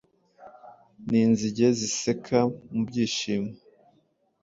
N'inzige ziseka mu byishimo